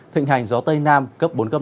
thịnh hành gió tây nam cấp bốn cấp năm